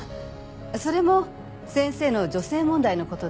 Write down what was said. それも先生の女性問題の事で。